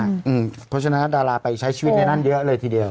เพราะฉะนั้นดาราไปใช้ชีวิตในนั้นเยอะเลยทีเดียว